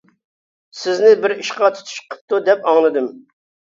سىزنى بىر ئىشقا تۇتۇش قىپتۇ دەپ ئاڭلىدىم.